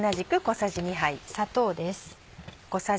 砂糖です。